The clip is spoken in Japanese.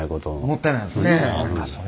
もったいないですね。